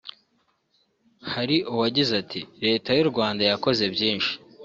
Hari uwagize ati ”Leta y’u Rwanda yakoze byinshi